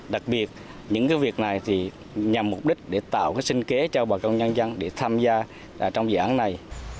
đặc biệt những việc này nhằm mục đích để tạo sinh kế cho bà con nhân dân để tham gia trong dự án này